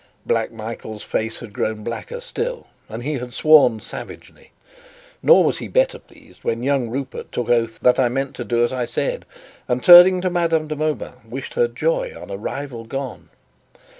Black Michael's face had grown blacker still, and he had sworn savagely; nor was he better pleased when young Rupert took oath that I meant to do as I said, and turning to Madame de Mauban, wished her joy on a rival gone.